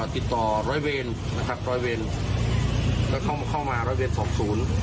ติดต่อร้อยเวรนะครับร้อยเวรแล้วเข้ามาเข้ามาร้อยเวรสองศูนย์